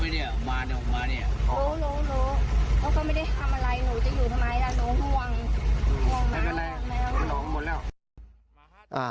มันหมดแล้ว